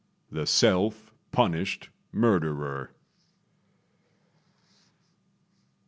THE SELF PUNISHED MURDERER.